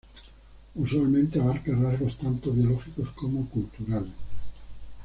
Usualmente abarca rasgos tanto biológicos como culturales.